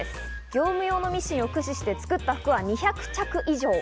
業務用のミシンを駆使して作った服は２００着以上。